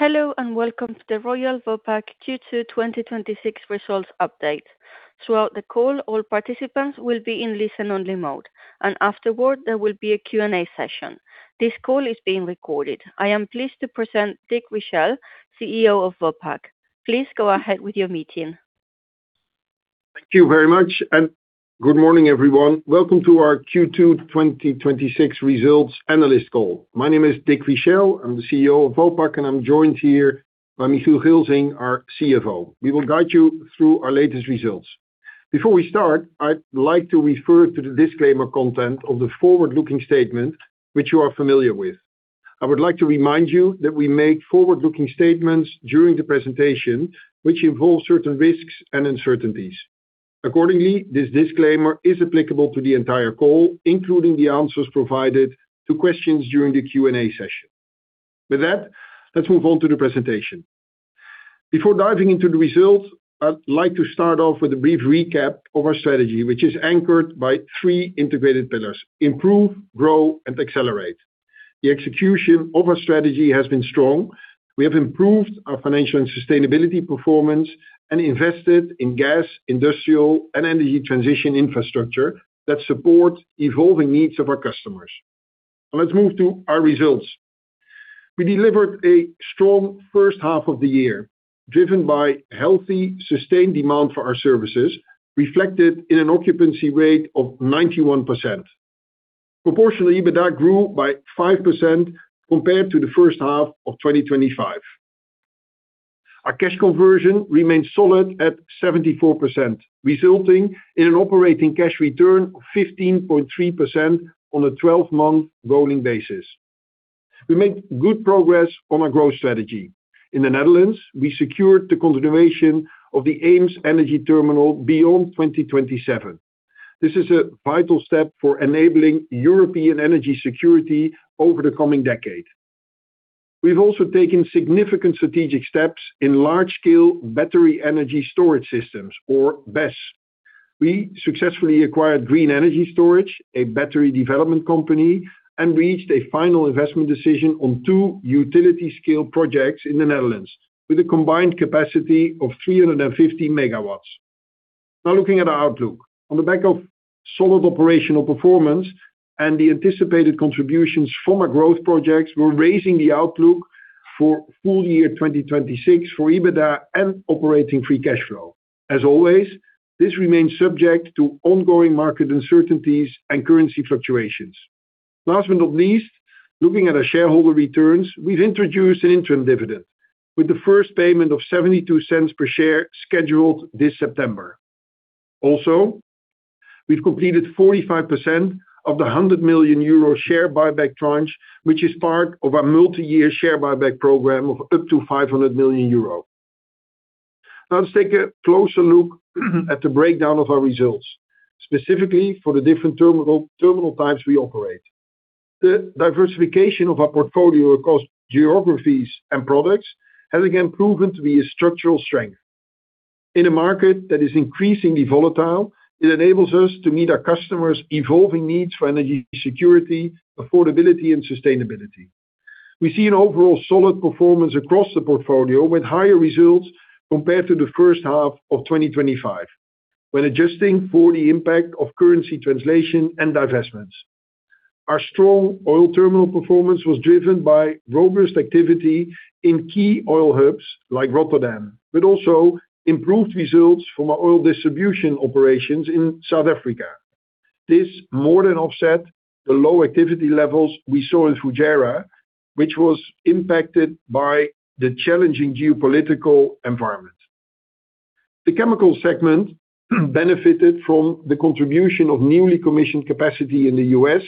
Hello, welcome to the Royal Vopak Q2 2026 results update. Throughout the call, all participants will be in listen only mode. Afterward, there will be a Q&A session. This call is being recorded. I am pleased to present Dick Richelle, CEO of Vopak. Please go ahead with your meeting. Thank you very much. Good morning, everyone. Welcome to our Q2 2026 results analyst call. My name is Dick Richelle. I'm the CEO of Vopak, and I'm joined here by Michiel Gilsing, our CFO. We will guide you through our latest results. Before we start, I'd like to refer to the disclaimer content of the forward-looking statement which you are familiar with. I would like to remind you that we make forward-looking statements during the presentation, which involve certain risks and uncertainties. Accordingly, this disclaimer is applicable to the entire call, including the answers provided to questions during the Q&A session. With that, let's move on to the presentation. Before diving into the results, I'd like to start off with a brief recap of our strategy, which is anchored by three integrated pillars: improve, grow, and accelerate. The execution of our strategy has been strong. We have improved our financial and sustainability performance and invested in gas, industrial, and energy transition infrastructure that support evolving needs of our customers. Let's move to our results. We delivered a strong first half of the year, driven by healthy, sustained demand for our services, reflected in an occupancy rate of 91%. Proportionally, EBITDA grew by 5% compared to the first half of 2025. Our cash conversion remains solid at 74%, resulting in an operating cash return of 15.3% on a 12-month rolling basis. We made good progress on our growth strategy. In the Netherlands, we secured the continuation of the EemsEnergyTerminal beyond 2027. This is a vital step for enabling European energy security over the coming decade. We've also taken significant strategic steps in large-scale battery energy storage systems, or BESS. We successfully acquired Green Energy Storage, a battery development company, and reached a final investment decision on two utility-scale projects in the Netherlands with a combined capacity of 350 MW. Looking at our outlook. On the back of solid operational performance and the anticipated contributions from our growth projects, we're raising the outlook for full year 2026 for EBITDA and operating free cash flow. As always, this remains subject to ongoing market uncertainties and currency fluctuations. Last but not least, looking at our shareholder returns, we've introduced an interim dividend with the first payment of 0.72 per share scheduled this September. Also, we've completed 45% of the 100 million euro share buyback tranche, which is part of our multi-year share buyback program of up to 500 million euro. Let's take a closer look at the breakdown of our results, specifically for the different terminal types we operate. The diversification of our portfolio across geographies and products has again proven to be a structural strength. In a market that is increasingly volatile, it enables us to meet our customers' evolving needs for energy security, affordability, and sustainability. We see an overall solid performance across the portfolio, with higher results compared to the first half of 2025. When adjusting for the impact of currency translation and divestments, our strong oil terminal performance was driven by robust activity in key oil hubs like Rotterdam, but also improved results from our oil distribution operations in South Africa. This more than offset the low activity levels we saw in Fujairah, which was impacted by the challenging geopolitical environment. The chemical segment benefited from the contribution of newly commissioned capacity in the U.S.,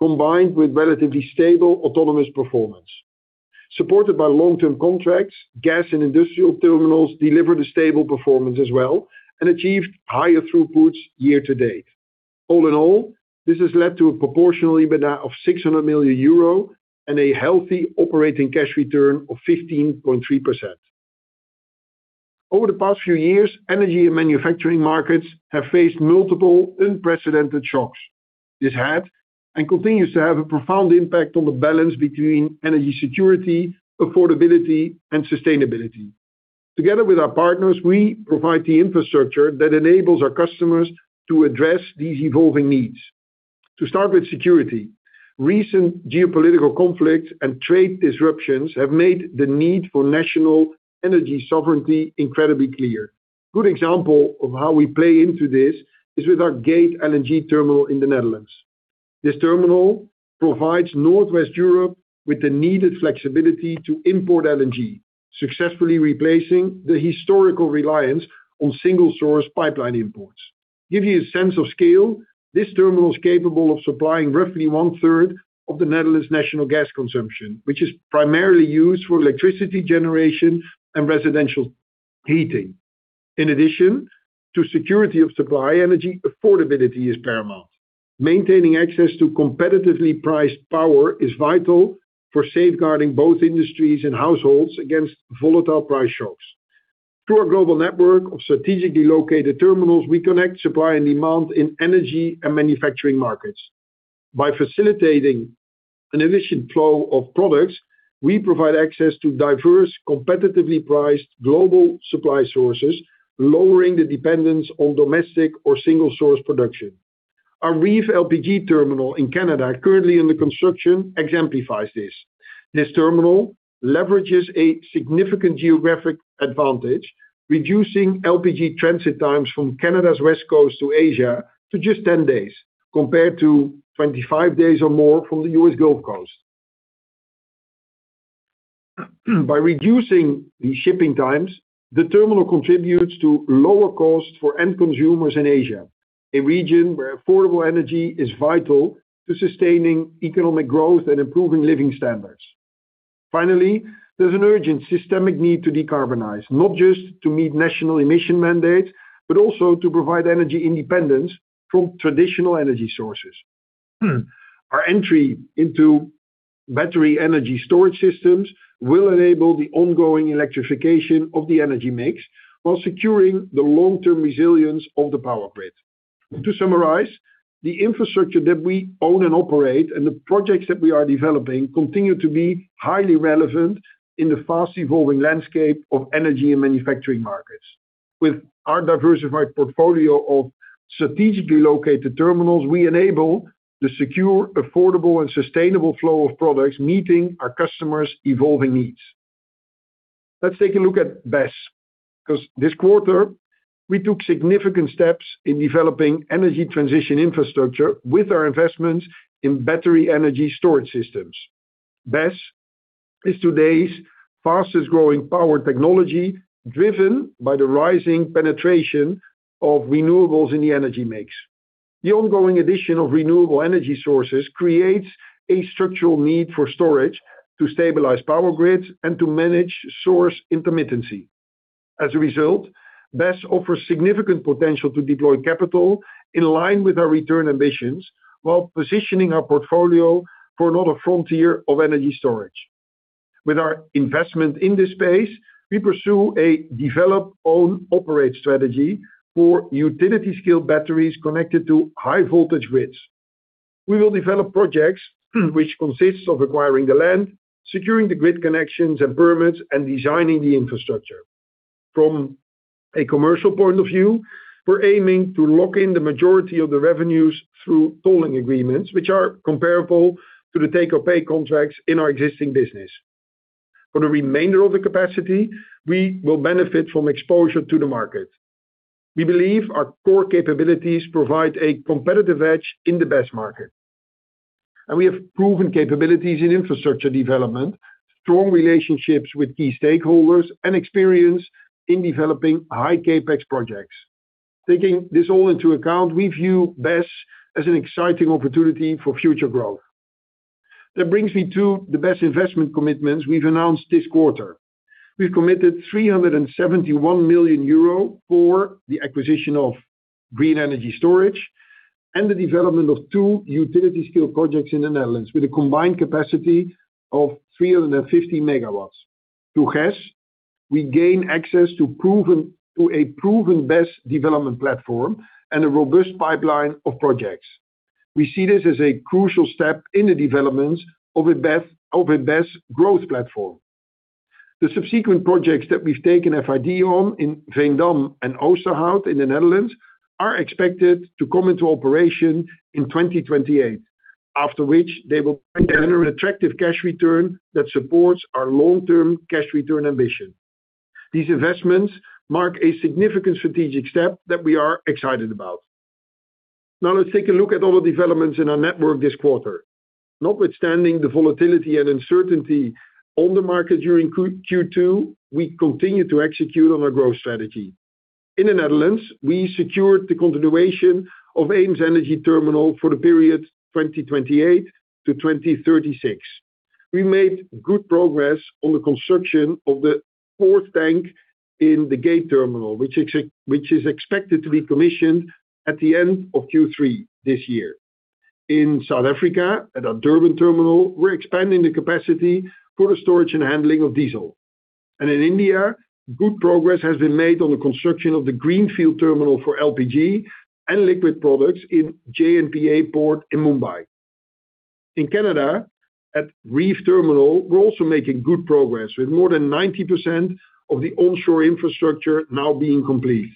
combined with relatively stable autonomous performance. Supported by long-term contracts, gas and industrial terminals delivered a stable performance as well and achieved higher throughputs year to date. All in all, this has led to a proportional EBITDA of 600 million euro and a healthy operating cash return of 15.3%. Over the past few years, energy and manufacturing markets have faced multiple unprecedented shocks. This had, and continues to have, a profound impact on the balance between energy security, affordability, and sustainability. Together with our partners, we provide the infrastructure that enables our customers to address these evolving needs. To start with security, recent geopolitical conflicts and trade disruptions have made the need for national energy sovereignty incredibly clear. Good example of how we play into this is with our Gate LNG terminal in the Netherlands. This terminal provides Northwest Europe with the needed flexibility to import LNG, successfully replacing the historical reliance on single source pipeline imports. To give you a sense of scale, this terminal is capable of supplying roughly one-third of the Netherlands' national gas consumption, which is primarily used for electricity generation and residential heating. In addition to security of supply, energy affordability is paramount. Maintaining access to competitively priced power is vital for safeguarding both industries and households against volatile price shocks. Through our global network of strategically located terminals, we connect supply and demand in energy and manufacturing markets. By facilitating an efficient flow of products, we provide access to diverse, competitively priced global supply sources, lowering the dependence on domestic or single-source production. Our REEF LPG terminal in Canada, currently under construction, exemplifies this. This terminal leverages a significant geographic advantage, reducing LPG transit times from Canada's west coast to Asia to just 10 days, compared to 25 days or more from the U.S. Gulf Coast. By reducing the shipping times, the terminal contributes to lower costs for end consumers in Asia, a region where affordable energy is vital to sustaining economic growth and improving living standards. There's an urgent systemic need to decarbonize, not just to meet national emission mandates, but also to provide energy independence from traditional energy sources. Our entry into battery energy storage systems will enable the ongoing electrification of the energy mix while securing the long-term resilience of the power grid. To summarize, the infrastructure that we own and operate and the projects that we are developing continue to be highly relevant in the fast-evolving landscape of energy and manufacturing markets. With our diversified portfolio of strategically located terminals, we enable the secure, affordable, and sustainable flow of products, meeting our customers' evolving needs. Let's take a look at BESS, because this quarter, we took significant steps in developing energy transition infrastructure with our investments in battery energy storage systems. BESS is today's fastest-growing power technology, driven by the rising penetration of renewables in the energy mix. The ongoing addition of renewable energy sources creates a structural need for storage to stabilize power grids and to manage source intermittency. BESS offers significant potential to deploy capital in line with our return ambitions, while positioning our portfolio for another frontier of energy storage. With our investment in this space, we pursue a develop, own, operate strategy for utility-scale batteries connected to high-voltage grids. We will develop projects which consist of acquiring the land, securing the grid connections and permits, and designing the infrastructure. From a commercial point of view, we're aiming to lock in the majority of the revenues through tolling agreements, which are comparable to the take-or-pay contracts in our existing business. For the remainder of the capacity, we will benefit from exposure to the market. We believe our core capabilities provide a competitive edge in the BESS market, and we have proven capabilities in infrastructure development, strong relationships with key stakeholders, and experience in developing high CapEx projects. Taking this all into account, we view BESS as an exciting opportunity for future growth. That brings me to the BESS investment commitments we've announced this quarter. We've committed 371 million euro for the acquisition of Green Energy Storage and the development of two utility-scale projects in the Netherlands with a combined capacity of 350 MW. Through GES, we gain access to a proven BESS development platform and a robust pipeline of projects. We see this as a crucial step in the development of a BESS growth platform. The subsequent projects that we've taken FID on in Veendam and Oosterhout in the Netherlands are expected to come into operation in 2028, after which they will generate an attractive cash return that supports our long-term cash return ambition. These investments mark a significant strategic step that we are excited about. Let's take a look at all the developments in our network this quarter. Notwithstanding the volatility and uncertainty on the market during Q2, we continue to execute on our growth strategy. In the Netherlands, we secured the continuation of EemsEnergyTerminal for the period 2028-2036. We made good progress on the construction of the fourth tank in the Gate Terminal, which is expected to be commissioned at the end of Q3 this year. In South Africa, at our Durban terminal, we're expanding the capacity for the storage and handling of diesel. In India, good progress has been made on the construction of the Greenfield terminal for LPG and liquid products in JNPA Port in Mumbai. In Canada, at REEF Terminal, we're also making good progress, with more than 90% of the onshore infrastructure now being complete.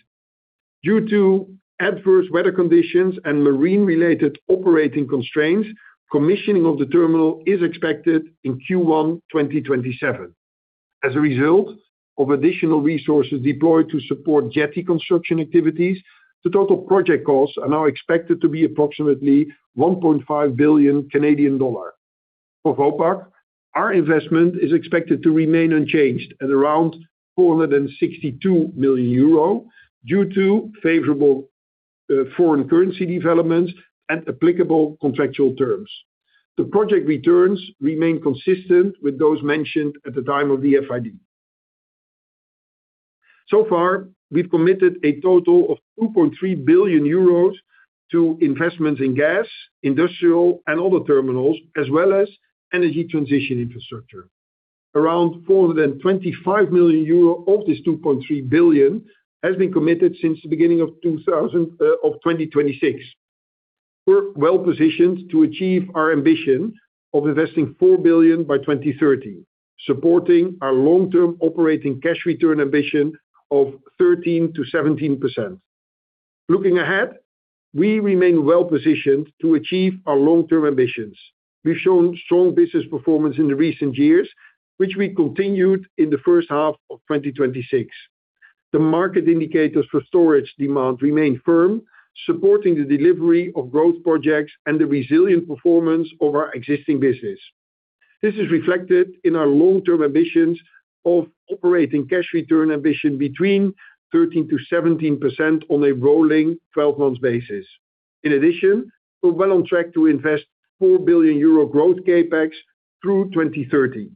Due to adverse weather conditions and marine-related operating constraints, commissioning of the terminal is expected in Q1 2027. Additional resources deployed to support jetty construction activities, the total project costs are now expected to be approximately 1.5 billion Canadian dollar. For Vopak, our investment is expected to remain unchanged at around 462 million euro due to favorable foreign currency developments and applicable contractual terms. The project returns remain consistent with those mentioned at the time of the FID. We've committed a total of 2.3 billion euros to investments in gas, industrial, and other terminals, as well as energy transition infrastructure. More than 25 million euro of this 2.3 billion has been committed since the beginning of 2026. We're well-positioned to achieve our ambition of investing 4 billion by 2030, supporting our long-term operating cash return ambition of 13%-17%. Looking ahead, we remain well-positioned to achieve our long-term ambitions. We've shown strong business performance in the recent years, which we continued in the first half of 2026. The market indicators for storage demand remain firm, supporting the delivery of growth projects and the resilient performance of our existing business. This is reflected in our long-term ambitions of operating cash return ambition between 13% and 17% on a rolling 12-months basis. In addition, we're well on track to invest 4 billion euro growth CapEx through 2030.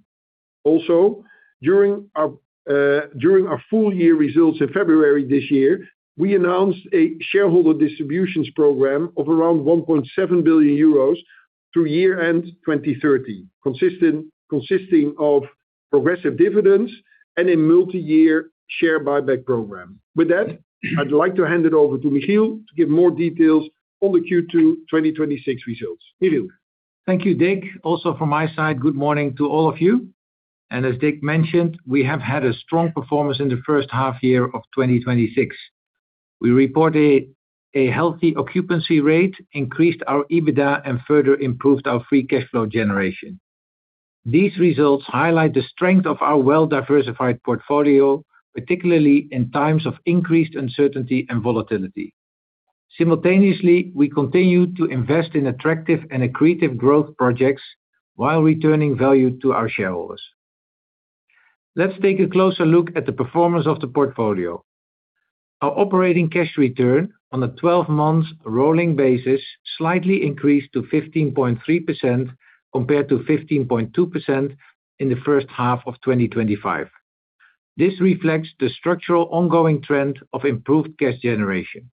During our full year results in February this year, we announced a shareholder distributions program of around 1.7 billion euros through year-end 2030, consisting of progressive dividends and a multi-year share buyback program. With that, I'd like to hand it over to Michiel to give more details on the Q2 2026 results. Michiel. Thank you, Dick. From my side, good morning to all of you. As Dick mentioned, we have had a strong performance in the first half year of 2026. We reported a healthy occupancy rate, increased our EBITDA, and further improved our free cash flow generation. These results highlight the strength of our well-diversified portfolio, particularly in times of increased uncertainty and volatility. Simultaneously, we continue to invest in attractive and accretive growth projects while returning value to our shareholders. Let's take a closer look at the performance of the portfolio. Our operating cash return on a 12-months rolling basis slightly increased to 15.3% compared to 15.2% in the first half of 2025. This reflects the structural ongoing trend of improved cash generation.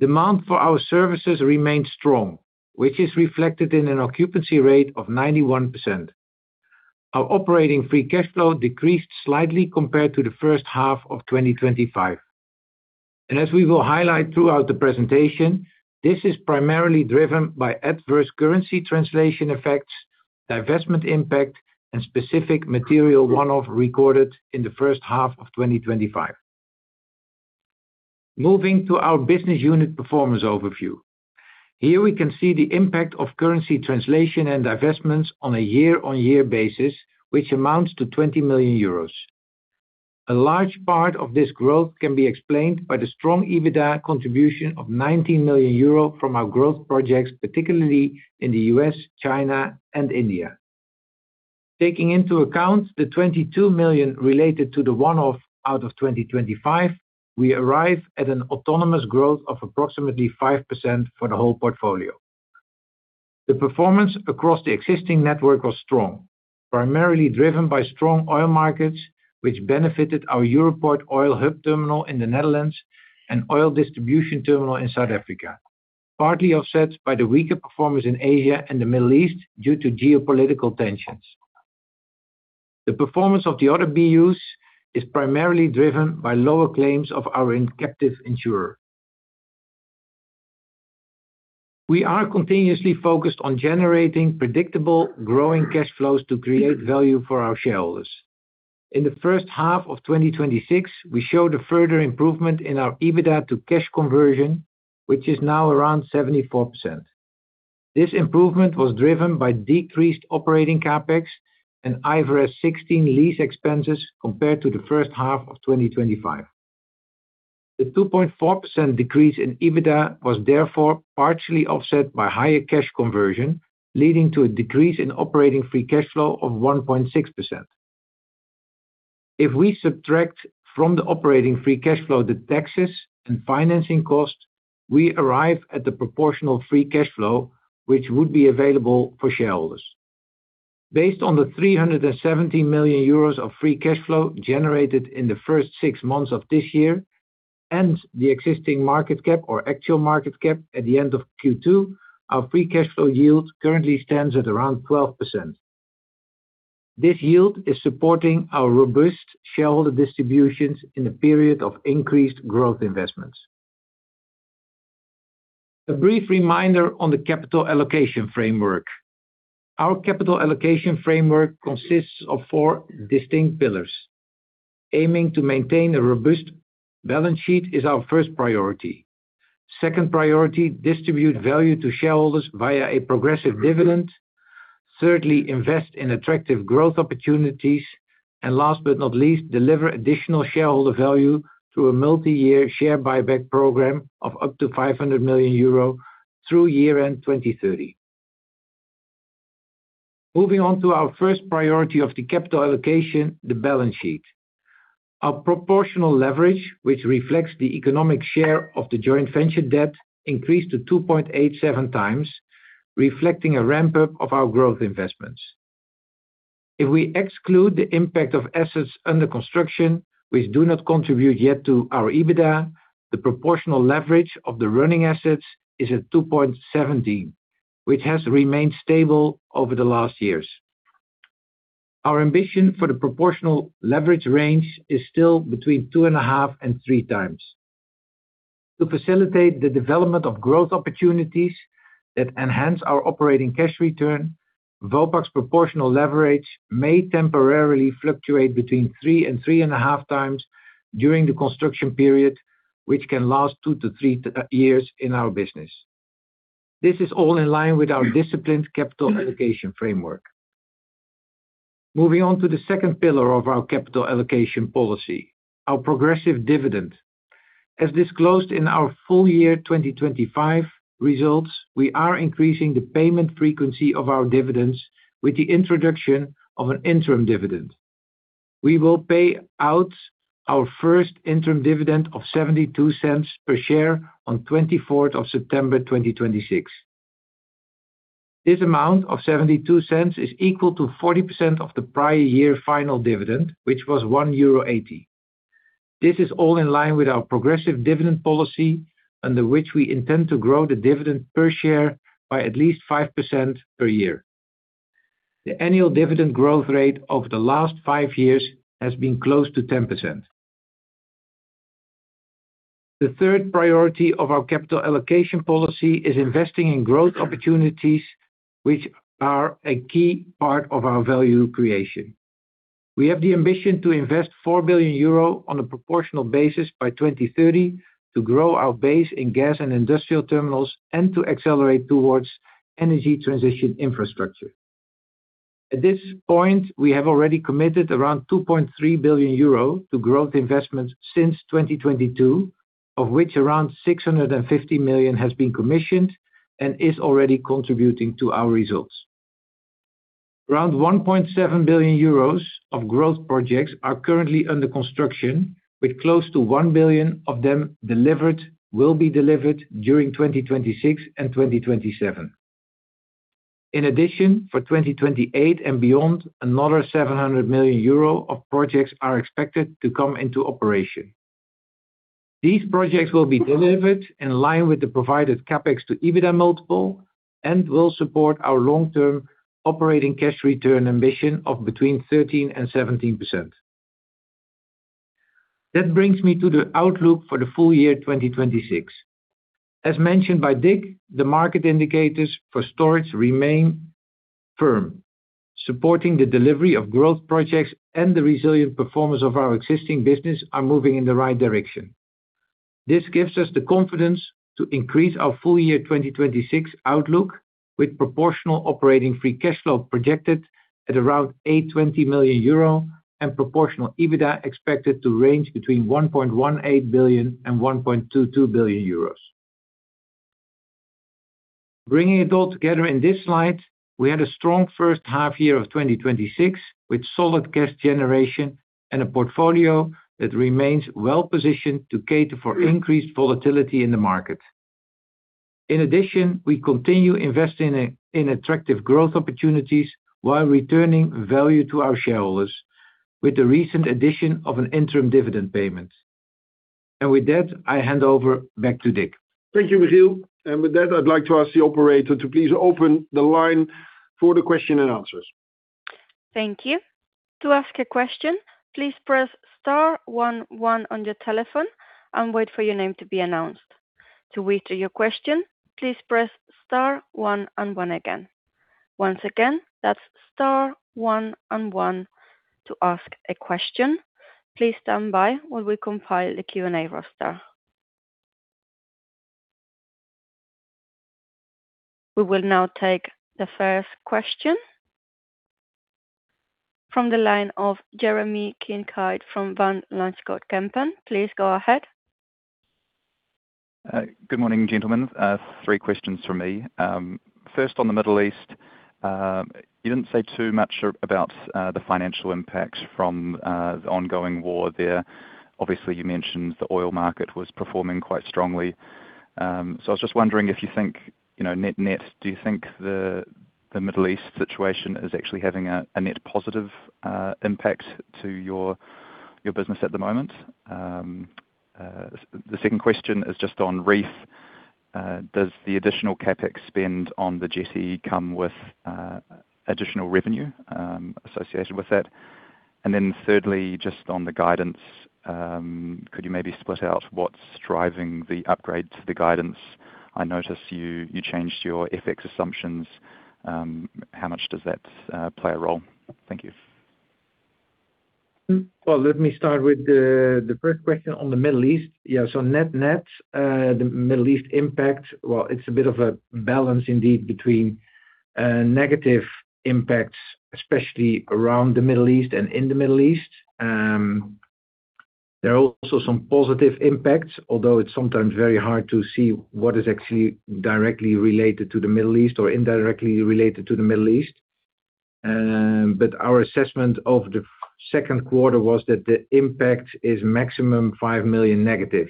Demand for our services remained strong, which is reflected in an occupancy rate of 91%. Our operating free cash flow decreased slightly compared to the first half of 2025. As we will highlight throughout the presentation, this is primarily driven by adverse currency translation effects, divestment impact, and specific material one-off recorded in the first half of 2025. Moving to our business unit performance overview. Here we can see the impact of currency translation and divestments on a year-on-year basis, which amounts to 20 million euros. A large part of this growth can be explained by the strong EBITDA contribution of 19 million euro from our growth projects, particularly in the U.S., China, and India. Taking into account the 22 million related to the one-off out of 2025, we arrive at an autonomous growth of approximately 5% for the whole portfolio. The performance across the existing network was strong, primarily driven by strong oil markets, which benefited our Europoort oil hub terminal in the Netherlands and oil distribution terminal in South Africa, partly offset by the weaker performance in Asia and the Middle East due to geopolitical tensions. The performance of the other BUs is primarily driven by lower claims of our captive insurer. We are continuously focused on generating predictable growing cash flows to create value for our shareholders. In the first half of 2026, we showed a further improvement in our EBITDA to cash conversion, which is now around 74%. This improvement was driven by decreased operating CapEx and IFRS 16 lease expenses compared to the first half of 2025. The 2.4% decrease in EBITDA was therefore partially offset by higher cash conversion, leading to a decrease in operating free cash flow of 1.6%. If we subtract from the operating free cash flow the taxes and financing costs, we arrive at the proportional free cash flow, which would be available for shareholders. Based on the 317 million euros of free cash flow generated in the first six months of this year and the existing market cap or actual market cap at the end of Q2, our free cash flow yield currently stands at around 12%. This yield is supporting our robust shareholder distributions in a period of increased growth investments. A brief reminder on the capital allocation framework. Our capital allocation framework consists of four distinct pillars. Aiming to maintain a robust balance sheet is our first priority. Second priority, distribute value to shareholders via a progressive dividend. Thirdly, invest in attractive growth opportunities. Last but not least, deliver additional shareholder value through a multi-year share buyback program of up to 500 million euro through year end 2030. Moving on to our first priority of the capital allocation, the balance sheet. Our proportional leverage, which reflects the economic share of the joint venture debt, increased to 2.87x, reflecting a ramp-up of our growth investments. If we exclude the impact of assets under construction, which do not contribute yet to our EBITDA, the proportional leverage of the running assets is at 2.17x, which has remained stable over the last years. Our ambition for the proportional leverage range is still between 2.5x and 3x. To facilitate the development of growth opportunities that enhance our operating cash return, Vopak's proportional leverage may temporarily fluctuate between 3x and 3.5x during the construction period, which can last two to three years in our business. This is all in line with our disciplined capital allocation framework. Moving on to the second pillar of our capital allocation policy, our progressive dividend. As disclosed in our full year 2025 results, we are increasing the payment frequency of our dividends with the introduction of an interim dividend. We will pay out our first interim dividend of 0.72 per share on 24th of September 2026. This amount of 0.72 is equal to 40% of the prior year final dividend, which was 1.80 euro. This is all in line with our progressive dividend policy, under which we intend to grow the dividend per share by at least 5% per year. The annual dividend growth rate over the last five years has been close to 10%. The third priority of our capital allocation policy is investing in growth opportunities, which are a key part of our value creation. We have the ambition to invest 4 billion euro on a proportional basis by 2030 to grow our base in gas and industrial terminals and to accelerate towards energy transition infrastructure. At this point, we have already committed around 2.3 billion euro to growth investments since 2022, of which around 650 million has been commissioned and is already contributing to our results. Around 1.7 billion euros of growth projects are currently under construction, with close to 1 billion of them will be delivered during 2026 and 2027. In addition, for 2028 and beyond, another 700 million euro of projects are expected to come into operation. These projects will be delivered in line with the provided CapEx to EBITDA multiple and will support our long-term operating cash return ambition of between 13% and 17%. That brings me to the outlook for the full year 2026. As mentioned by Dick, the market indicators for storage remain firm, supporting the delivery of growth projects and the resilient performance of our existing business are moving in the right direction. This gives us the confidence to increase our full year 2026 outlook with proportional operating free cash flow projected at around 820 million euro and proportional EBITDA expected to range between 1.18 billion and 1.22 billion euros. Bringing it all together in this slide, we had a strong first half year of 2026, with solid cash generation and a portfolio that remains well-positioned to cater for increased volatility in the market. In addition, we continue investing in attractive growth opportunities while returning value to our shareholders with the recent addition of an interim dividend payment. With that, I hand over back to Dick. Thank you, Michiel. With that, I'd like to ask the operator to please open the line for the question and answers. Thank you. To ask a question, please press star one one on your telephone and wait for your name to be announced. To withdraw your question, please press star one and one again. Once again, that's star one and one to ask a question. Please stand by while we compile a Q&A roster. We will now take the first question from the line of Jeremy Kincaid from Van Lanschot Kempen. Please go ahead. Good morning, gentlemen. Three questions from me. First on the Middle East. You didn't say too much about the financial impact from the ongoing war there. Obviously, you mentioned the oil market was performing quite strongly. I was just wondering if you think, net net, do you think the Middle East situation is actually having a net positive impact to your business at the moment? The second question is just on REEF. Does the additional CapEx spend on the jetty come with additional revenue associated with that? Thirdly, just on the guidance, could you maybe split out what's driving the upgrade to the guidance? I notice you changed your FX assumptions. How much does that play a role? Thank you. Let me start with the first question on the Middle East. Net net, the Middle East impact, it's a bit of a balance indeed between negative impacts, especially around the Middle East and in the Middle East. There are also some positive impacts, although it's sometimes very hard to see what is actually directly related to the Middle East or indirectly related to the Middle East. Our assessment of the second quarter was that the impact is maximum 5 million negative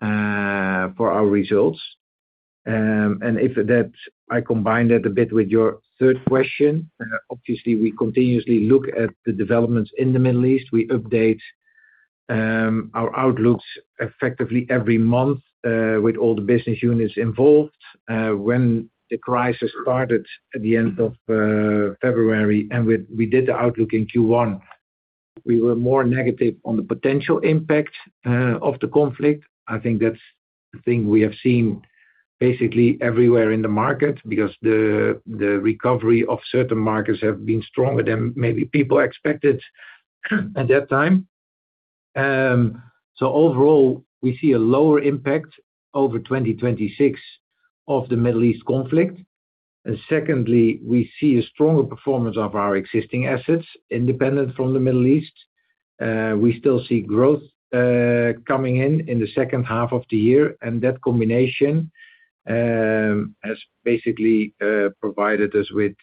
for our results. If I combine that a bit with your third question, obviously we continuously look at the developments in the Middle East. We update our outlooks effectively every month with all the business units involved. When the crisis started at the end of February, and we did the outlook in Q1, we were more negative on the potential impact of the conflict. I think that's the thing we have seen basically everywhere in the market, because the recovery of certain markets have been stronger than maybe people expected at that time. Overall, we see a lower impact over 2026 of the Middle East conflict. Secondly, we see a stronger performance of our existing assets independent from the Middle East. We still see growth coming in in the second half of the year, and that combination has basically provided us with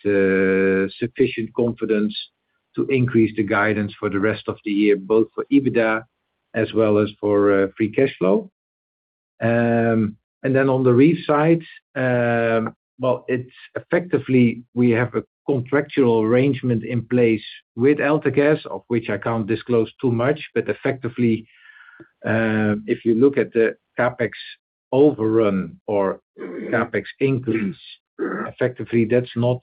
sufficient confidence to increase the guidance for the rest of the year, both for EBITDA as well as for free cash flow. On the REE side, effectively we have a contractual arrangement in place with AltaGas, of which I can't disclose too much, but effectively, if you look at the CapEx overrun or CapEx increase, effectively that's not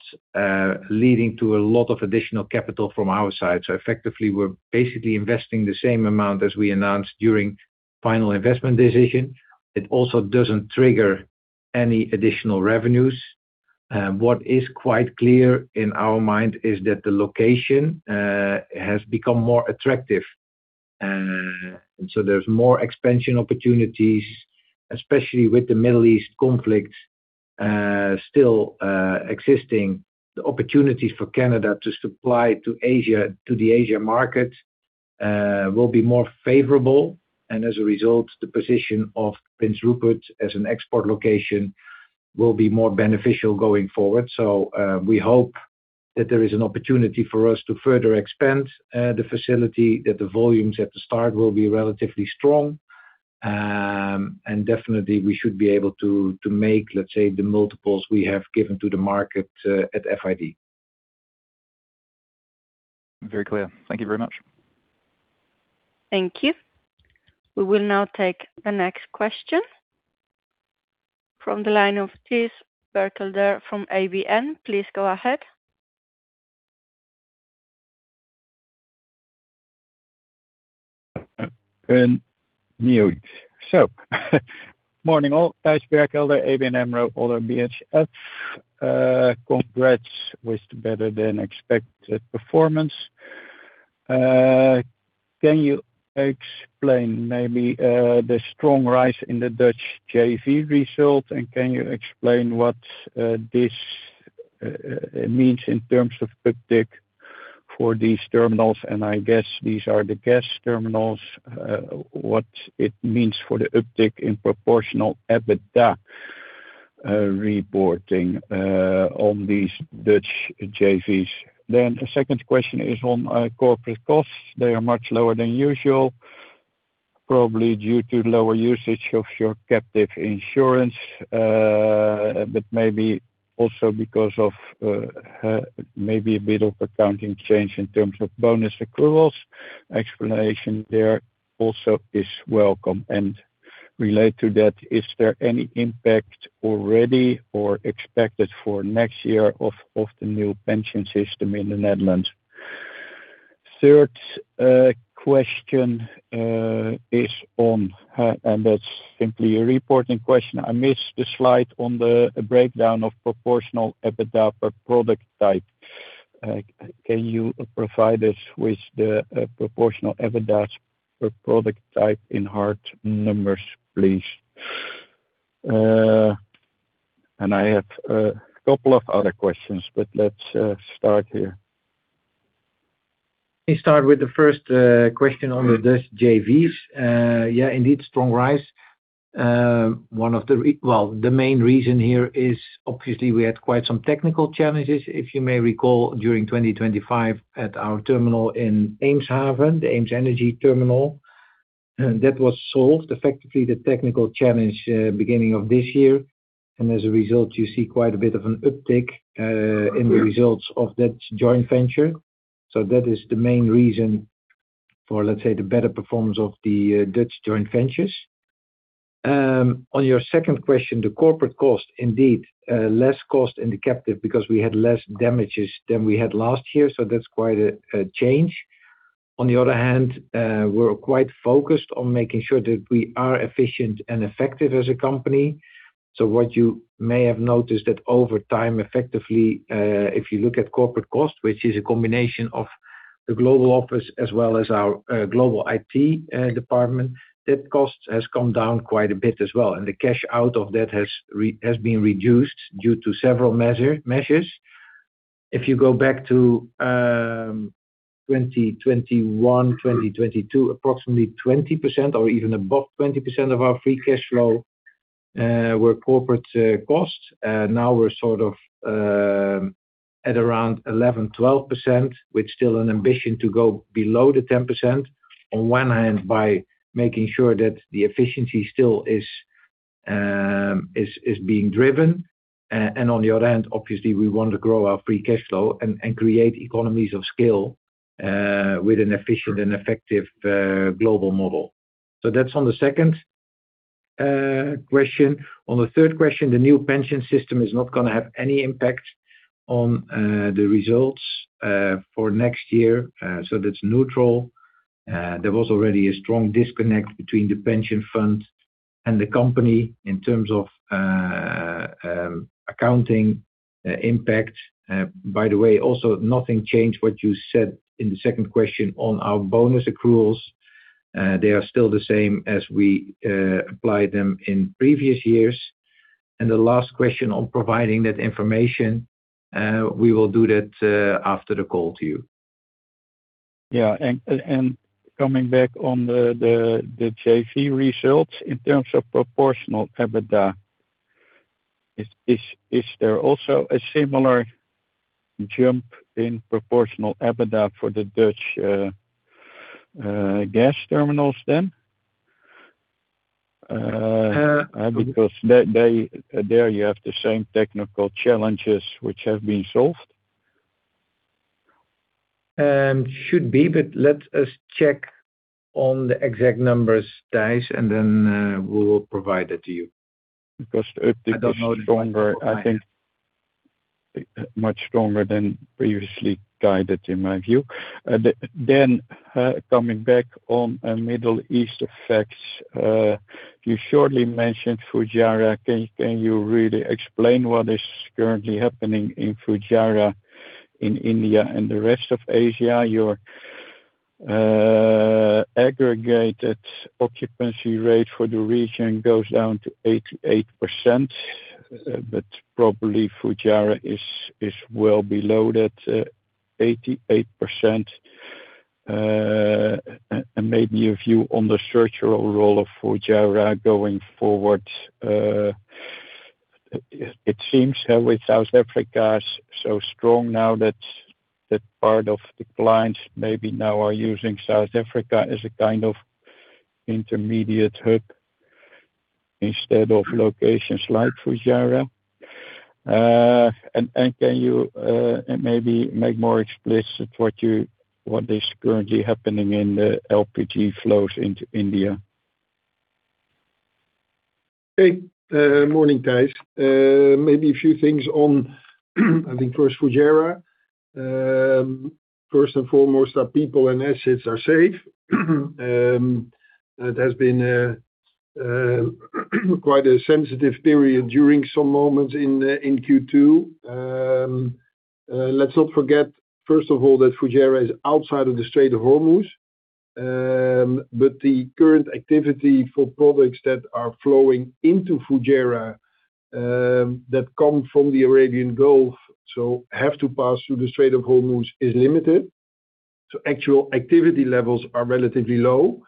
leading to a lot of additional capital from our side. Effectively we're basically investing the same amount as we announced during final investment decision. It also doesn't trigger any additional revenues. What is quite clear in our mind is that the location has become more attractive. There's more expansion opportunities, especially with the Middle East conflict still existing. The opportunities for Canada to supply to the Asia market will be more favorable. As a result, the position of Prince Rupert as an export location will be more beneficial going forward. We hope that there is an opportunity for us to further expand the facility, that the volumes at the start will be relatively strong. Definitely we should be able to make, let's say, the multiples we have given to the market at FID. Very clear. Thank you very much. Thank you. We will now take the next question from the line of Thijs Berkelder from ABN. Please go ahead. Morning, all. Thijs Berkelder, ABN AMRO, ODDO BHF. Congrats with the better than expected performance. Can you explain maybe the strong rise in the Dutch JV result? Can you explain what this means in terms of uptick for these terminals, and I guess these are the gas terminals, what it means for the uptick in proportional EBITDA reporting on these Dutch JVs. The second question is on corporate costs. They are much lower than usual, probably due to lower usage of your captive insurance, but maybe also because of maybe a bit of accounting change in terms of bonus accruals. Explanation there also is welcome. Relate to that, is there any impact already or expected for next year of the new pension system in the Netherlands? Third question is on, that's simply a reporting question. I missed the slide on the breakdown of proportional EBITDA per product type. Can you provide us with the proportional EBITDA per product type in hard numbers, please? I have a couple of other questions, but let's start here. Let me start with the first question on the Dutch JVs. Yeah, indeed, strong rise. The main reason here is obviously we had quite some technical challenges, if you may recall, during 2025 at our terminal in Eemshaven, the EemsEnergyTerminal. That was solved, effectively the technical challenge, beginning of this year. As a result, you see quite a bit of an uptick in the results of that joint venture. That is the main reason for, let's say, the better performance of the Dutch joint ventures. On your second question, the corporate cost, indeed, less cost in the captive because we had less damages than we had last year. That's quite a change. On the other hand, we're quite focused on making sure that we are efficient and effective as a company. What you may have noticed that over time, effectively, if you look at corporate cost, which is a combination of the global office as well as our global IT department, that cost has come down quite a bit as well, and the cash out of that has been reduced due to several measures. If you go back to 2021, 2022, approximately 20% or even above 20% of our free cash flow were corporate costs. Now we're sort of at around 11%-12%, with still an ambition to go below the 10%. On one hand, by making sure that the efficiency still is being driven, and on the other hand, obviously, we want to grow our free cash flow and create economies of scale with an efficient and effective global model. That's on the second question. On the third question, the new pension system is not going to have any impact on the results for next year. That's neutral. There was already a strong disconnect between the pension fund and the company in terms of accounting impact. By the way, also nothing changed what you said in the second question on our bonus accruals. They are still the same as we applied them in previous years. The last question on providing that information, we will do that after the call to you. Yeah. Coming back on the JV results in terms of proportional EBITDA, is there also a similar jump in proportional EBITDA for the Dutch gas terminals then, because there you have the same technical challenges which have been solved? Should be, let us check on the exact numbers, Thijs, and then we will provide that to you. It is stronger, I think much stronger than previously guided, in my view. Coming back on Middle East effects. You shortly mentioned Fujairah. Can you really explain what is currently happening in Fujairah, in India and the rest of Asia? Your aggregated occupancy rate for the region goes down to 88%, but probably Fujairah is well below that 88%. Maybe your view on the structural role of Fujairah going forward. It seems with South Africa so strong now that that part of the clients maybe now are using South Africa as a kind of intermediate hub instead of locations like Fujairah. Can you maybe make more explicit what is currently happening in the LPG flows into India? Hey. Morning, Thijs. Maybe a few things on, I think, first Fujairah. First and foremost, our people and assets are safe. It has been quite a sensitive period during some moments in Q2. Let's not forget, first of all, that Fujairah is outside of the Strait of Hormuz, but the current activity for products that are flowing into Fujairah, that come from the Arabian Gulf, so have to pass through the Strait of Hormuz, is limited. Actual activity levels are relatively low.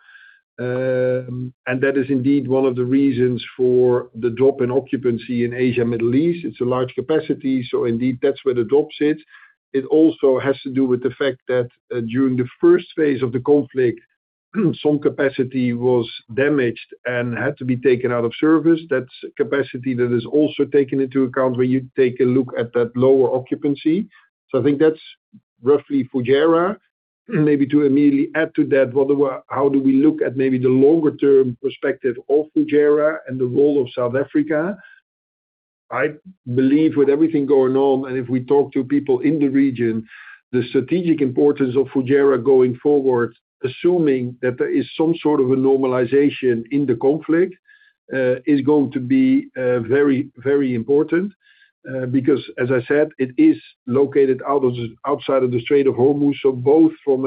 That is indeed one of the reasons for the drop in occupancy in Asia, Middle East. It's a large capacity, so indeed, that's where the drop sits. It also has to do with the fact that during the first phase of the conflict, some capacity was damaged and had to be taken out of service. That's capacity that is also taken into account when you take a look at that lower occupancy. I think that's roughly Fujairah. Maybe to immediately add to that, how do we look at maybe the longer-term perspective of Fujairah and the role of South Africa? I believe with everything going on, and if we talk to people in the region, the strategic importance of Fujairah going forward, assuming that there is some sort of a normalization in the conflict, is going to be very important. As I said, it is located outside of the Strait of Hormuz. Both from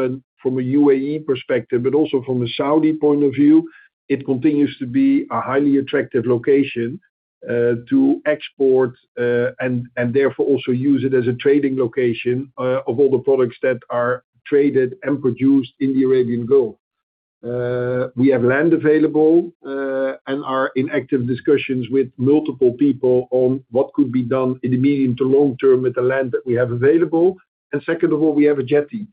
a UAE perspective, but also from a Saudi point of view, it continues to be a highly attractive location to export, and therefore, also use it as a trading location of all the products that are traded and produced in the Arabian Gulf. We have land available, are in active discussions with multiple people on what could be done in the medium to long term with the land that we have available. Second of all, we have a jetty.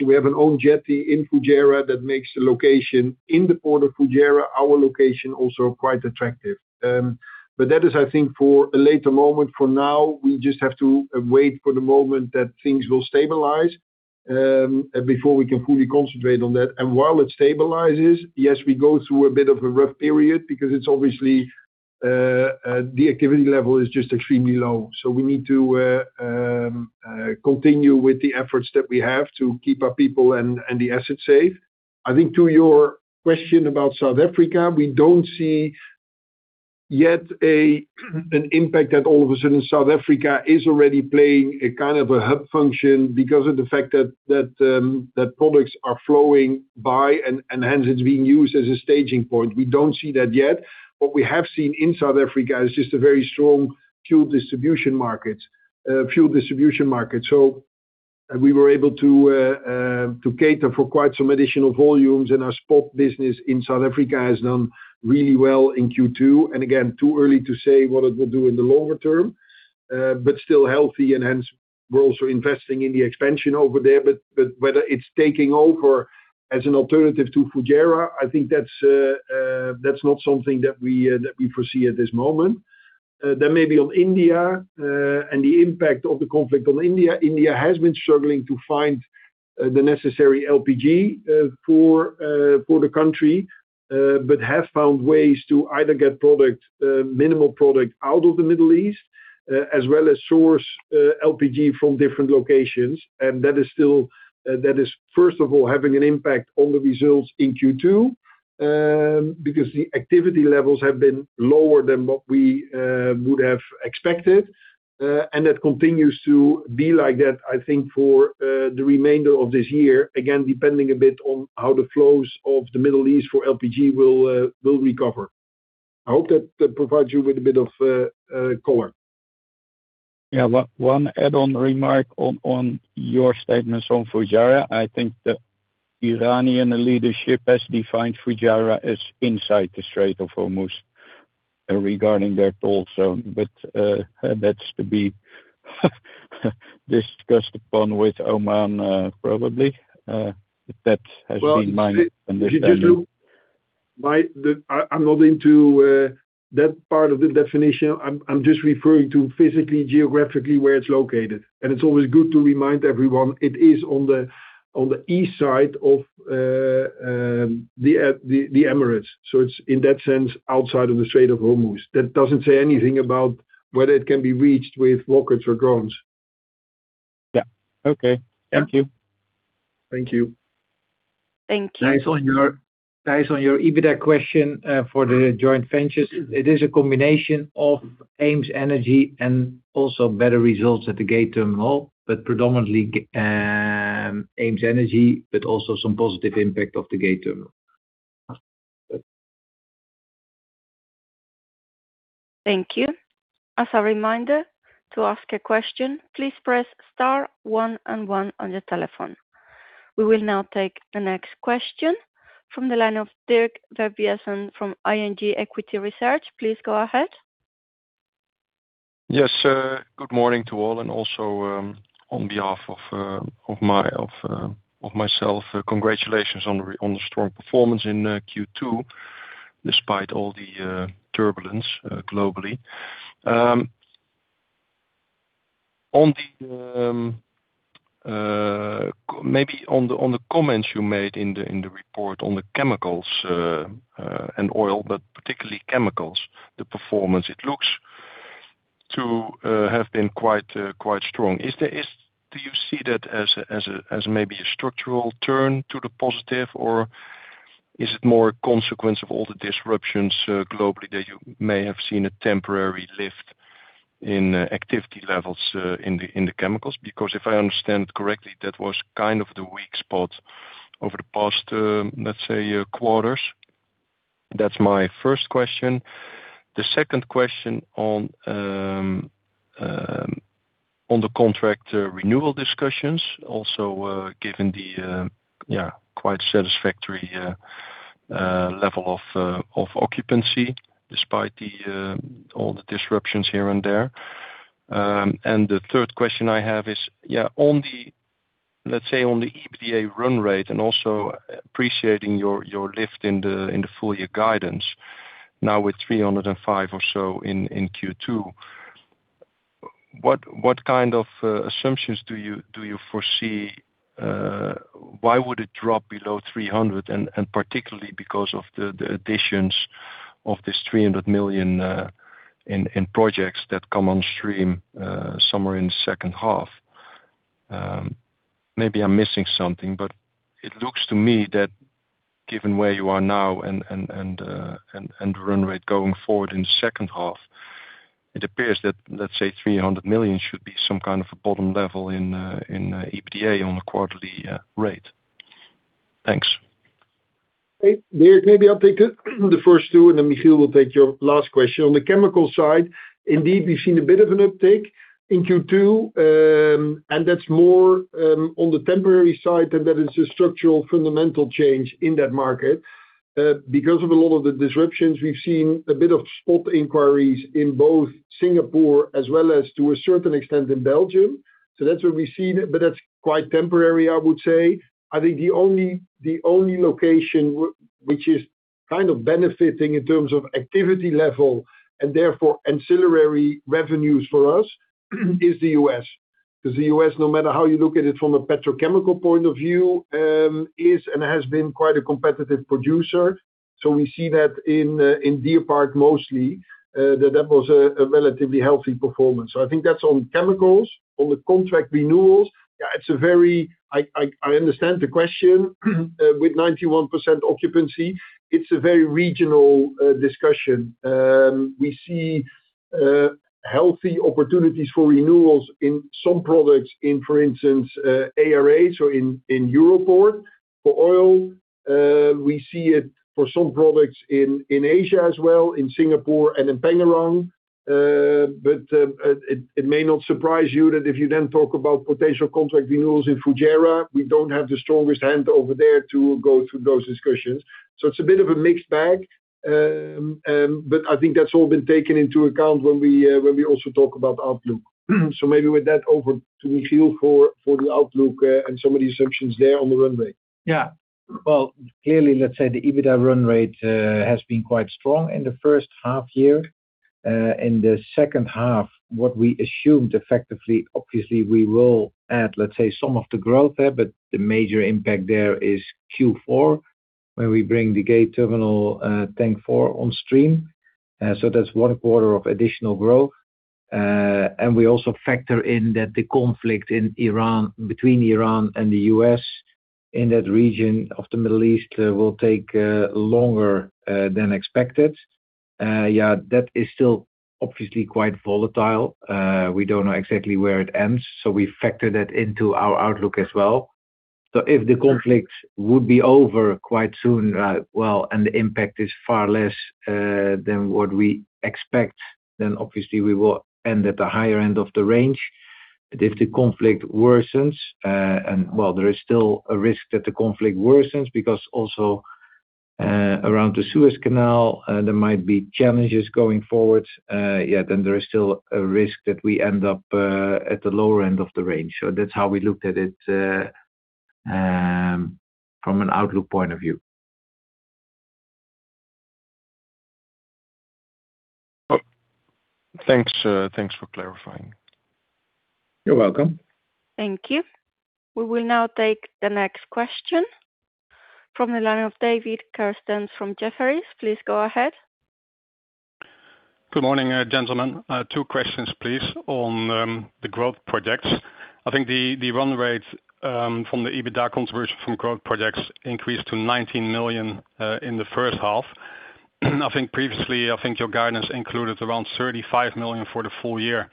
We have our own jetty in Fujairah that makes the location in the port of Fujairah our location also quite attractive. That is, I think, for a later moment. For now, we just have to wait for the moment that things will stabilize before we can fully concentrate on that. While it stabilizes, yes, we go through a bit of a rough period because it's obviously the activity level is just extremely low. We need to continue with the efforts that we have to keep our people and the assets safe. I think to your question about South Africa, we don't see yet an impact that all of a sudden South Africa is already playing a kind of a hub function because of the fact that products are flowing by and hence it's being used as a staging point. We don't see that yet. What we have seen in South Africa is just a very strong fuel distribution market. We were able to cater for quite some additional volumes in our spot business in South Africa has done really well in Q2. Again, too early to say what it will do in the longer term, but still healthy and hence we're also investing in the expansion over there. Whether it's taking over as an alternative to Fujairah, I think that's not something that we foresee at this moment. Maybe on India, and the impact of the conflict on India. India has been struggling to find the necessary LPG for the country, but have found ways to either get minimal product out of the Middle East, as well as source LPG from different locations. That is first of all, having an impact on the results in Q2, because the activity levels have been lower than what we would have expected. That continues to be like that, I think, for the remainder of this year, again, depending a bit on how the flows of the Middle East for LPG will recover. I hope that provides you with a bit of color. Yeah. One add-on remark on your statements on Fujairah. I think the Iranian leadership has defined Fujairah as inside the Strait of Hormuz regarding that also. That's to be discussed upon with Oman, probably. That has been my understanding. I'm not into that part of the definition. I'm just referring to physically, geographically where it's located. It's always good to remind everyone it is on the east side of the Emirates. It's, in that sense, outside of the Strait of Hormuz. That doesn't say anything about whether it can be reached with rockets or drones. Yeah. Okay. Thank you. Thank you. Thank you. Thijs, on your EBITDA question for the joint ventures, it is a combination of EemsEnergy and also better results at the Gate Terminal, but predominantly EemsEnergy, but also some positive impact of the Gate Terminal. Thank you. As a reminder, to ask a question, please press star one and one on your telephone. We will now take the next question from the line of Dirk Verbiesen from ING Equity Research. Please go ahead. Yes. Good morning to all and also, on behalf of myself, congratulations on the strong performance in Q2, despite all the turbulence globally. Maybe on the comments you made in the report on the chemicals and oil, but particularly chemicals, the performance, it looks to have been quite strong. Do you see that as maybe a structural turn to the positive, or is it more a consequence of all the disruptions globally that you may have seen a temporary lift in activity levels in the chemicals? Because if I understand correctly, that was the weak spot over the past, let's say, quarters. That's my first question. The second question on the contract renewal discussions. Also, given the quite satisfactory level of occupancy despite all the disruptions here and there. The third question I have is, let's say on the EBITDA run rate and also appreciating your lift in the full year guidance. Now with 305 million or so in Q2. What kind of assumptions do you foresee? Why would it drop below 300 million? Particularly because of the additions of this 300 million in projects that come on stream somewhere in the second half. Maybe I'm missing something, but it looks to me that given where you are now and the run rate going forward in the second half, it appears that, let's say 300 million should be some kind of a bottom level in EBITDA on a quarterly rate. Thanks. Hey, Dirk, maybe I'll take the first two, Michiel will take your last question. On the chemical side, indeed, we've seen a bit of an uptick in Q2. That's more on the temporary side than that is a structural fundamental change in that market. Because of a lot of the disruptions, we've seen a bit of spot inquiries in both Singapore as well as to a certain extent in Belgium. That's what we've seen. That's quite temporary, I would say. I think the only location which is kind of benefiting in terms of activity level and therefore ancillary revenues for us, is the U.S., because the U.S., no matter how you look at it from a petrochemical point of view, is and has been quite a competitive producer. We see that in Deer Park mostly, that was a relatively healthy performance. I think that's on chemicals. On the contract renewals, I understand the question. With 91% occupancy, it's a very regional discussion. We see healthy opportunities for renewals in some products in, for instance, ARA, so in Europoort. For oil, we see it for some products in Asia as well, in Singapore and in Pengerang. It may not surprise you that if you then talk about potential contract renewals in Fujairah, we don't have the strongest hand over there to go through those discussions. It's a bit of a mixed bag. I think that's all been taken into account when we also talk about outlook. Maybe with that over to Michiel for the outlook and some of the assumptions there on the run rate. Clearly, let's say the EBITDA run rate has been quite strong in the first half year. In the second half, what we assumed effectively, obviously we will add, let's say, some of the growth there, but the major impact there is Q4, where we bring the Gate Terminal Tank 4 on stream. That's one quarter of additional growth. We also factor in that the conflict between Iran and the U.S. in that region of the Middle East will take longer than expected. That is still obviously quite volatile. We don't know exactly where it ends, we factor that into our outlook as well. If the conflict would be over quite soon, and the impact is far less than what we expect, obviously we will end at the higher end of the range. If the conflict worsens, there is still a risk that the conflict worsens because also around the Suez Canal, there might be challenges going forward, there is still a risk that we end up at the lower end of the range. That's how we looked at it from an outlook point of view. Thanks for clarifying. You're welcome. Thank you. We will now take the next question from the line of David Kerstens from Jefferies. Please go ahead. Good morning, gentlemen. Two questions, please, on the growth projects. I think the run rate from the EBITDA contribution from growth projects increased to 19 million in the first half. Previously, your guidance included around 35 million for the full year.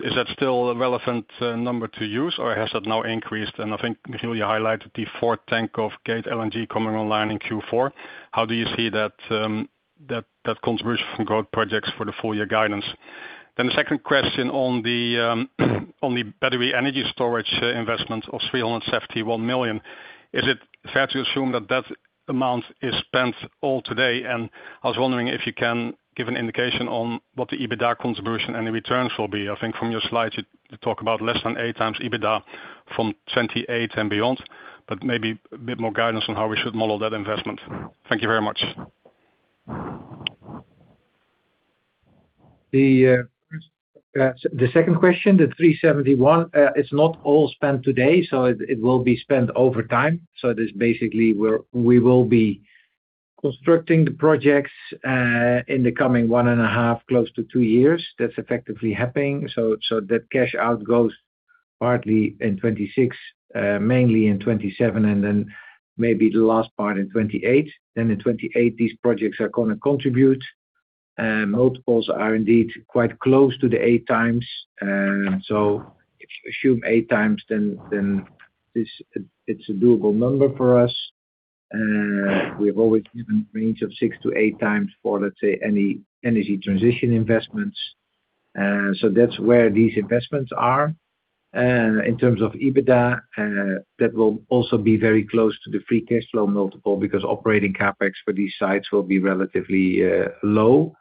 Is that still a relevant number to use or has that now increased? Michiel, you highlighted the fourth tank of Gate LNG coming online in Q4. How do you see that contribution from growth projects for the full year guidance? The second question on the battery energy storage investment of 371 million. Is it fair to assume that that amount is spent all today? I was wondering if you can give an indication on what the EBITDA contribution and the returns will be. I think from your slide, you talk about less than eight times EBITDA from 2028 and beyond, maybe a bit more guidance on how we should model that investment. Thank you very much. The second question, the 371 million, it's not all spent today, it will be spent over time. It is basically we will be constructing the projects in the coming one and a half, close to two years. That's effectively happening. That cash out goes partly in 2026, mainly in 2027, maybe the last part in 2028. In 2028, these projects are going to contribute. Multiples are indeed quite close to the 8x. If you assume 8x, it's a doable number for us. We've always given a range of 6x to 8x for, let's say, any energy transition investments. That's where these investments are. In terms of EBITDA, that will also be very close to the free cash flow multiple because operating CapEx for these sites will be relatively low.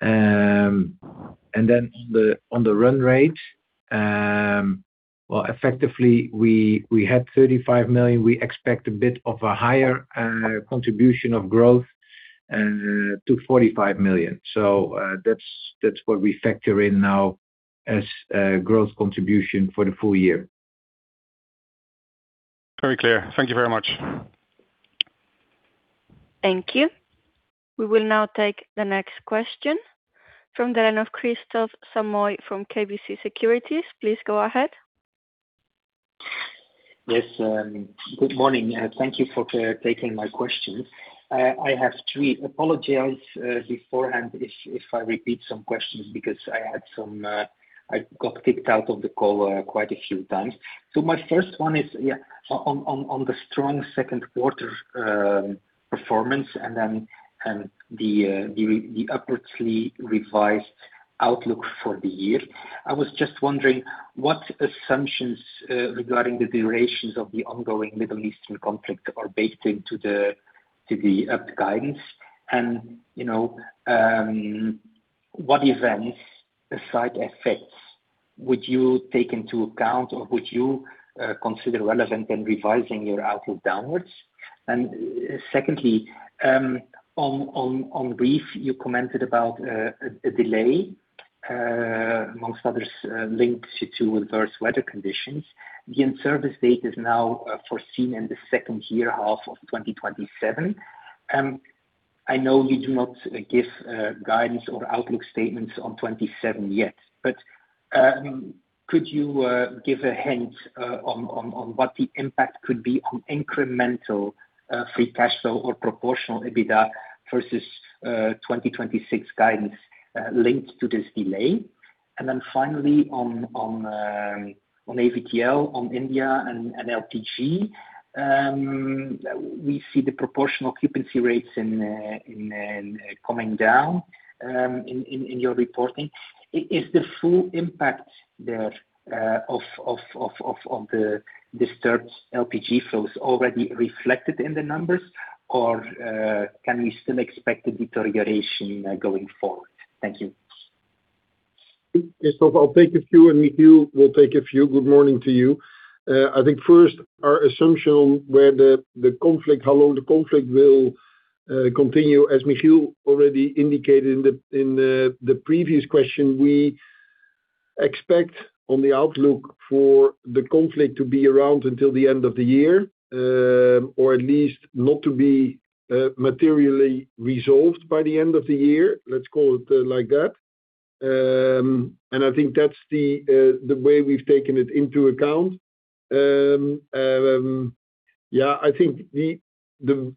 On the run rate, effectively, we had 35 million. We expect a bit of a higher contribution of growth to 45 million. That's what we factor in now as growth contribution for the full year. Very clear. Thank you very much. Thank you. We will now take the next question from the line of Kristof Samoy from KBC Securities. Please go ahead. Yes. Good morning. Thank you for taking my questions. I have three. Apologies beforehand if I repeat some questions because I got kicked out of the call quite a few times. My first one is on the strong second quarter performance and the upwardly revised outlook for the year. I was just wondering what assumptions regarding the durations of the ongoing Middle Eastern conflict are baked into the upped guidance. What events, adverse effects, would you take into account or would you consider relevant in revising your outlook downwards? Secondly, on REEF, you commented about a delay, amongst others, linked to adverse weather conditions. The in-service date is now foreseen in the second half of 2027. I know you do not give guidance or outlook statements on 2027 yet, could you give a hint on what the impact could be on incremental free cash flow or proportional EBITDA versus 2026 guidance linked to this delay? Finally on AVTL, on India and LPG, we see the proportional occupancy rates coming down in your reporting. Is the full impact there of the disturbed LPG flows already reflected in the numbers, or can we still expect a deterioration going forward? Thank you. Yes, I'll take a few and Michiel will take a few. Good morning to you. Our assumption where the conflict, how long the conflict will continue, as Michiel already indicated in the previous question. We expect on the outlook for the conflict to be around until the end of the year. At least not to be materially resolved by the end of the year. Let's call it like that. That's the way we've taken it into account. The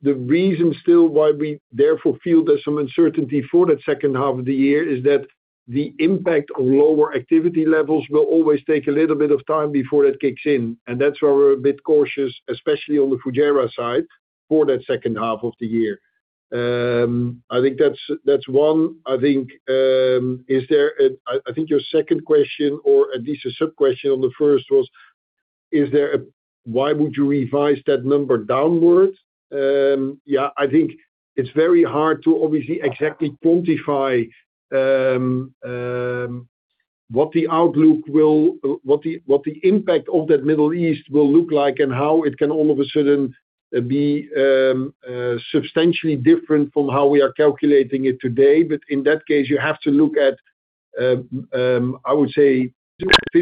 reason still why we therefore feel there's some uncertainty for that second half of the year is that the impact of lower activity levels will always take a little bit of time before that kicks in, and that's why we're a bit cautious, especially on the Fujairah side, for that second half of the year. That's one. Your second question, or at least a sub-question on the first was, why would you revise that number downwards? It's very hard to obviously exactly quantify what the impact of that Middle East will look like and how it can all of a sudden be substantially different from how we are calculating it today. In that case, you have to look at, I would say,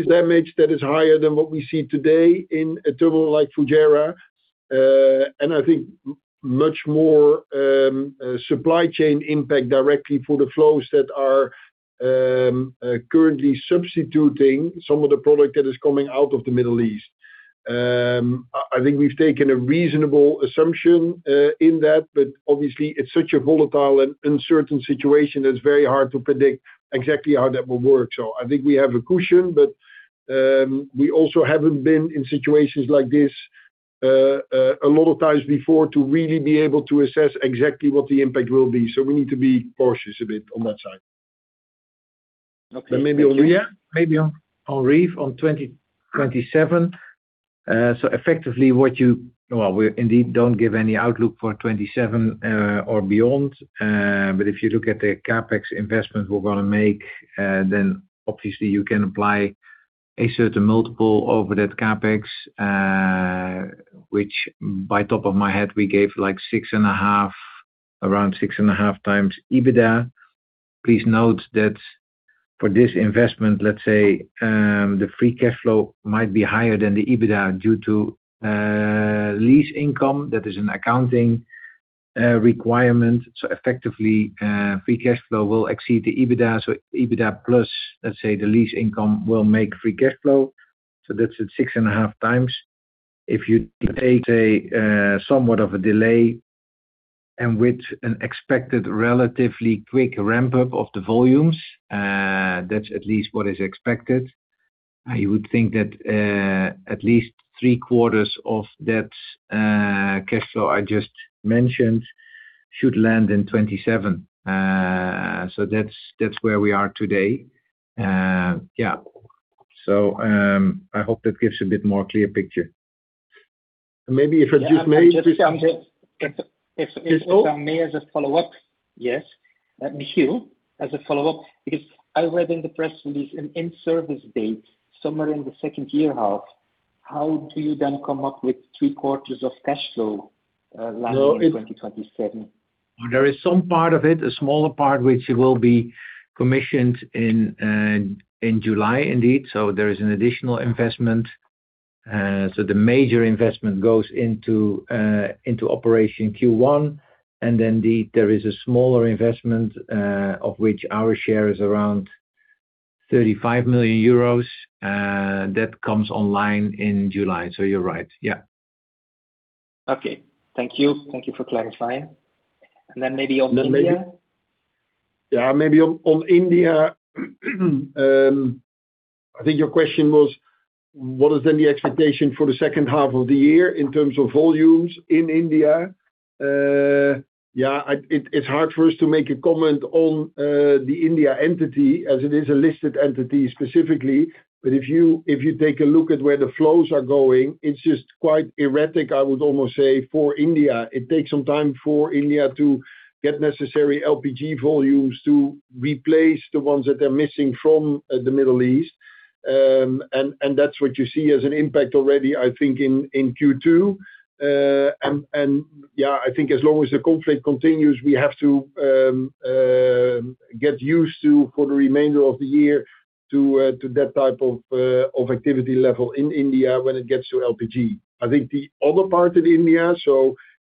damage that is higher than what we see today in a terminal like Fujairah. Much more supply chain impact directly for the flows that are currently substituting some of the product that is coming out of the Middle East. We've taken a reasonable assumption in that, obviously it's such a volatile and uncertain situation, it's very hard to predict exactly how that will work. I think we have a cushion, but, we also haven't been in situations like this a lot of times before to really be able to assess exactly what the impact will be. We need to be cautious a bit on that side. Okay. Thank you. Maybe on REEF, on 2027. Well, we indeed don't give any outlook for 2027 or beyond. If you look at the CapEx investment we're going to make, then obviously you can apply a certain multiple over that CapEx, which by top of my head, we gave around 6.5x EBITDA. Please note that for this investment, let's say, the free cash flow might be higher than the EBITDA due to lease income. That is an accounting requirement. Effectively, free cash flow will exceed the EBITDA. EBITDA plus, let's say, the lease income will make free cash flow. That's at 6.5x. If you take somewhat of a delay and with an expected relatively quick ramp-up of the volumes, that's at least what is expected. I would think that at least three quarters of that cash flow I just mentioned should land in 2027. That's where we are today. I hope that gives a bit more clear picture. Maybe if I just. If I may as a follow-up? Yes. Michiel, as a follow-up, I read in the press release an in-service date somewhere in the second year half. How do you come up with three quarters of cash flow landing in 2027? There is some part of it, a smaller part, which will be commissioned in July, indeed. There is an additional investment. The major investment goes into operation Q1, and then there is a smaller investment, of which our share is around 35 million euros. That comes online in July. You're right. Yeah. Okay. Thank you. Thank you for clarifying. Maybe on India. Maybe on India. I think your question was, what is then the expectation for the second half of the year in terms of volumes in India? It's hard for us to make a comment on the India entity as it is a listed entity specifically. If you take a look at where the flows are going, it's just quite erratic, I would almost say, for India. It takes some time for India to get necessary LPG volumes to replace the ones that they're missing from the Middle East. That's what you see as an impact already, I think, in Q2. I think as long as the conflict continues, we have to get used to for the remainder of the year to that type of activity level in India when it gets to LPG. I think the other part of India,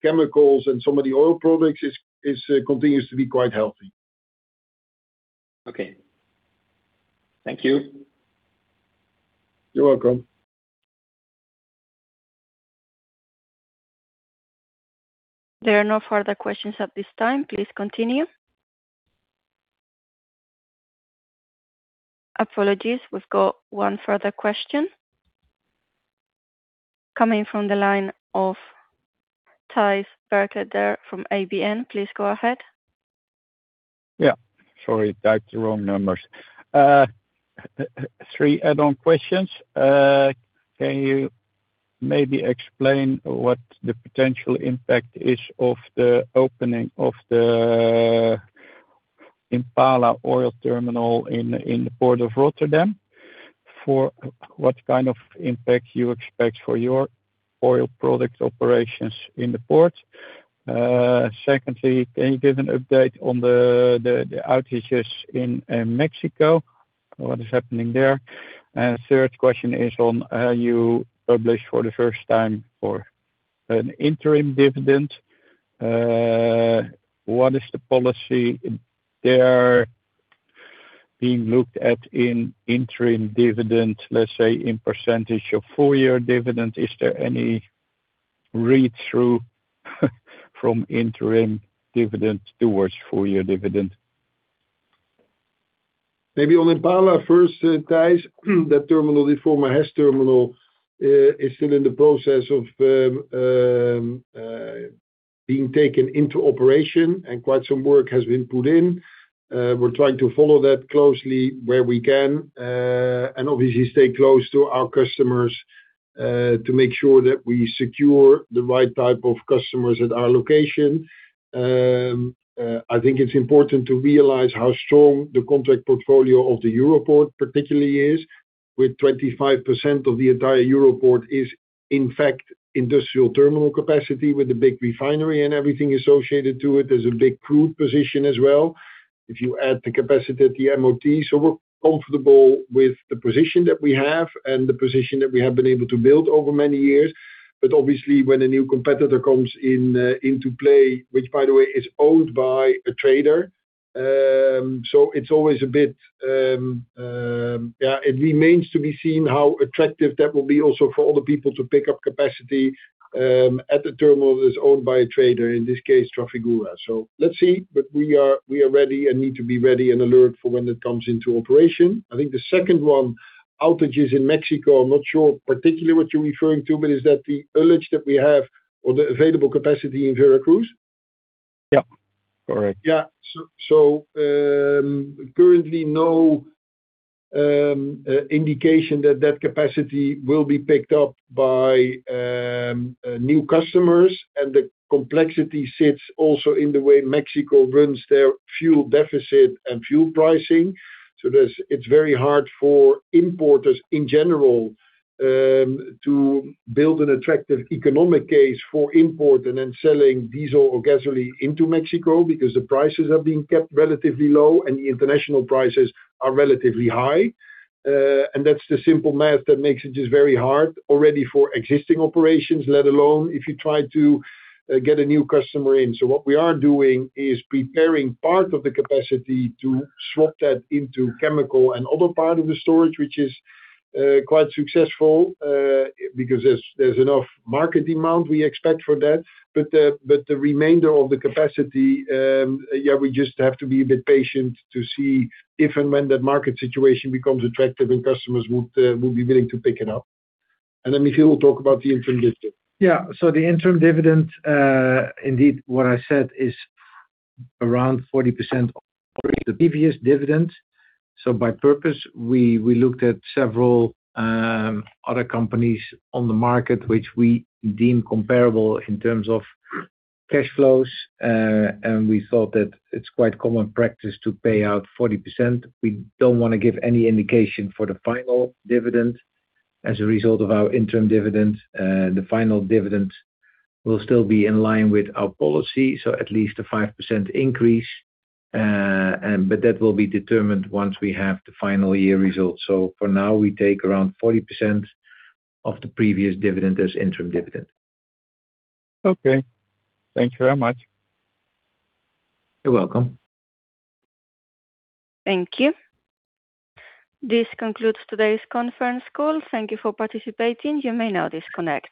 chemicals and some of the oil products continues to be quite healthy. Okay. Thank you. You're welcome. There are no further questions at this time. Please continue. Apologies. We've got one further question coming from the line of Thijs Berkelder from ABN. Please go ahead. Sorry, I typed the wrong numbers. Three add-on questions. Can you maybe explain what the potential impact is of the opening of the Impala Terminals oil terminal in the port of Rotterdam, for what kind of impact you expect for your oil product operations in the port? Secondly, can you give an update on the outages in Mexico, what is happening there? Third question is on, you published for the first time for an interim dividend. What is the policy there being looked at in interim dividend, let's say, in percentage of full year dividend? Is there any read-through from interim dividend towards full year dividend? Maybe on Impala first, Thijs Berkelder. That terminal, the former HES International terminal, is still in the process of being taken into operation and quite some work has been put in. We're trying to follow that closely where we can, and obviously stay close to our customers, to make sure that we secure the right type of customers at our location. I think it's important to realize how strong the contract portfolio of the Europoort particularly is, with 25% of the entire Europoort is, in fact, industrial terminal capacity with a big refinery and everything associated to it. There's a big crude position as well. If you add the capacity at the MOT. We're comfortable with the position that we have and the position that we have been able to build over many years. Obviously, when a new competitor comes into play, which by the way, is owned by a trader. It remains to be seen how attractive that will be also for other people to pick up capacity, at a terminal that's owned by a trader, in this case, Trafigura. Let's see. We are ready and need to be ready and alert for when that comes into operation. I think the second one, outages in Mexico, I'm not sure particularly what you're referring to, but is that the outage that we have or the available capacity in Veracruz? Yeah. Correct. Yeah. Currently no indication that that capacity will be picked up by new customers. The complexity sits also in the way Mexico runs their fuel deficit and fuel pricing. It's very hard for importers in general, to build an attractive economic case for import and then selling diesel or gasoline into Mexico because the prices are being kept relatively low and the international prices are relatively high. That's the simple math that makes it just very hard already for existing operations, let alone if you try to get a new customer in. What we are doing is preparing part of the capacity to swap that into chemical and other part of the storage, which is quite successful, because there's enough market demand we expect for that. The remainder of the capacity, we just have to be a bit patient to see if and when that market situation becomes attractive and customers would be willing to pick it up. Michiel will talk about the interim dividend. Yeah. The interim dividend, indeed, what I said is around 40% of the previous dividend. By purpose, we looked at several other companies on the market which we deem comparable in terms of cash flows. We thought that it's quite common practice to pay out 40%. We don't want to give any indication for the final dividend as a result of our interim dividend. The final dividend will still be in line with our policy. At least a 5% increase, but that will be determined once we have the final year results. For now, we take around 40% of the previous dividend as interim dividend. Okay. Thank you very much. You're welcome. Thank you. This concludes today's conference call. Thank you for participating. You may now disconnect.